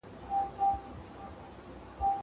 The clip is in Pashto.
هغه وويل چي قلمان پاکول ضروري دي.